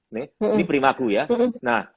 ini primaku ya nah